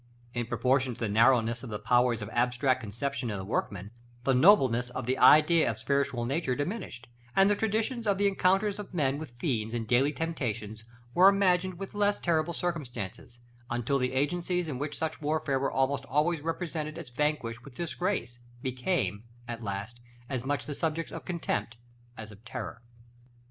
In proportion to the narrowness of the powers of abstract conception in the workman, the nobleness of the idea of spiritual nature diminished, and the traditions of the encounters of men with fiends in daily temptations were imagined with less terrific circumstances, until the agencies which in such warfare were almost always represented as vanquished with disgrace, became, at last, as much the objects of contempt as of terror.